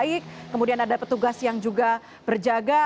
baik kemudian ada petugas yang juga berjaga